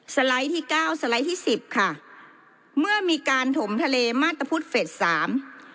ไลด์ที่เก้าสไลด์ที่สิบค่ะเมื่อมีการถมทะเลมาตรพุทธเฟสสาม